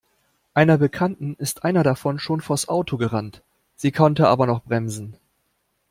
Einer Bekannten ist einer davon schon vors Auto gerannt. Sie konnte aber noch bremsen.